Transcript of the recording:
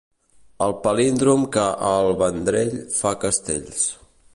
El palíndrom que a El Vendrell fa castells.